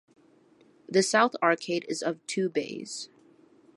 The south arcade is of two bays.